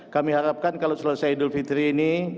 kami harapkan kalau selesai idul fitri ini